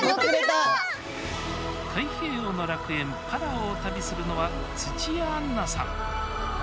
太平洋の楽園パラオを旅するのは土屋アンナさん。